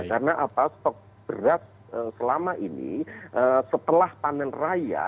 karena stok beras selama ini setelah panen raya